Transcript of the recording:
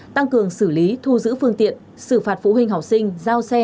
tăng cường xử lý thu giữ phương tiện xử phạt phụ huynh học sinh giao xe